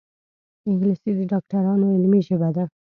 انګلیسي د ډاکټرانو علمي ژبه ده